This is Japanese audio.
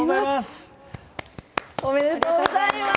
おめでとうございます。